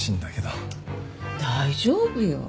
大丈夫よ。